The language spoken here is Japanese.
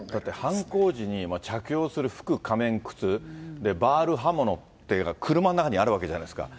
犯行時に着用する服、仮面、靴、バール、刃物っていうものが車の中にあるわけじゃないですか。